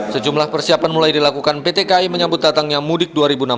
sejumlah persiapan mulai dilakukan pt kai menyambut datangnya mudik dua ribu enam belas